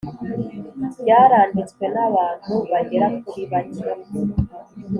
byaranditswe n abantu bagera kuri bake